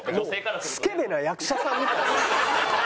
もうスケベな役者さんみたいだよ。